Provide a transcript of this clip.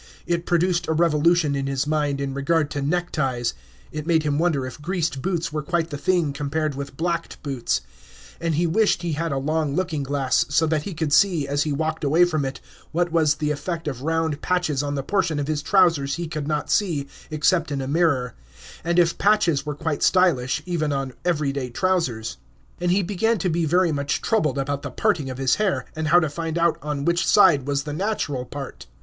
It produced a revolution in his mind in regard to neckties; it made him wonder if greased boots were quite the thing compared with blacked boots; and he wished he had a long looking glass, so that he could see, as he walked away from it, what was the effect of round patches on the portion of his trousers he could not see, except in a mirror; and if patches were quite stylish, even on everyday trousers. And he began to be very much troubled about the parting of his hair, and how to find out on which side was the natural part.